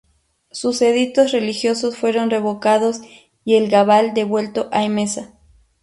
Sus edictos religiosos fueron revocados y El-Gabal devuelto a Emesa.